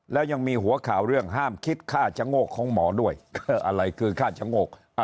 แล้วยังมีหัวข่าวเรื่องห้ามคิดค่าชะโงกของหมอด้วยอะไรคือฆ่าชะโงก